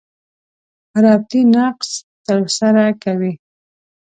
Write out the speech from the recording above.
ربطي نقش تر سره کوي.